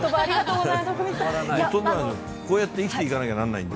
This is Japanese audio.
こうやって生きてかなきゃならないんで。